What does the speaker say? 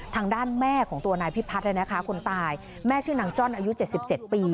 ทางด้านแม่ของตัวนายพิพัฒน์คนตายแม่ชื่อนางจ้อนอายุ๗๗ปี